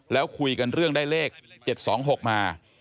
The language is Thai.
แล้วคุยกันเรื่องได้เลข๗๒๖มา